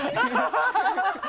ハハハ